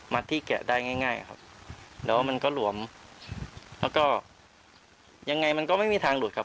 ที่แกะได้ง่ายง่ายครับแล้วมันก็หลวมแล้วก็ยังไงมันก็ไม่มีทางหลุดครับ